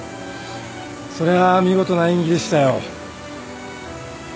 それは見事な演技でしたよ。